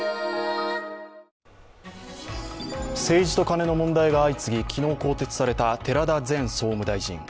政治とカネの問題が相次ぎ昨日、更迭された寺田前総務大臣。